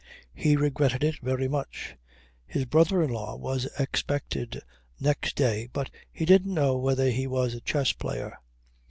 He regretted it very much. His brother in law was expected next day but he didn't know whether he was a chess player.